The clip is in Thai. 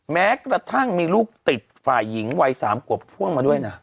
แม้กระทั่งมีลูกติดฝ่ายหญิงวัย๓ขวบพ่วงมาด้วยนะ